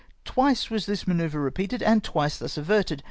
Twice was this manoeu\Te repeated, and twice thus averted.